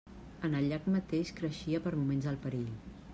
En el llac mateix creixia per moments el perill.